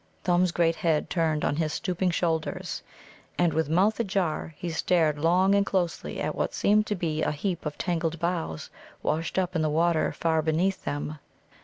Thumb's great head turned on his stooping shoulders, and, with mouth ajar, he stared long and closely at what seemed to be a heap of tangled boughs washed up in the water far beneath them.